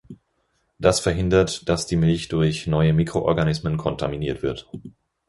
Das verhindert, dass die Milch durch neue Mikroorganismen kontaminiert wird.